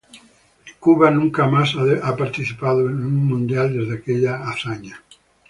Cuba nunca más ha participado en un Mundial desde aquella hazaña.